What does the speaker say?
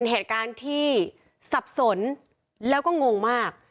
เหตุการณ์ที่สับสนแล้วก็งงมาก